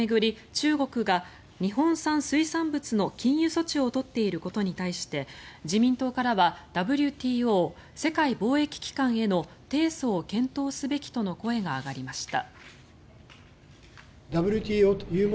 中国が日本産水産物の禁輸措置を取っていることに対して自民党からはＷＴＯ・世界貿易機関への提訴を検討すべきとの声が上がりました。